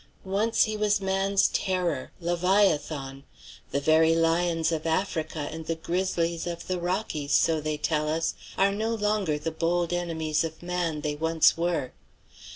Once he was man's terror, Leviathan. The very lions of Africa and the grizzlies of the Rockies, so they tell us, are no longer the bold enemies of man they once were.